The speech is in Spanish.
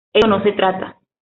Eso no se trata.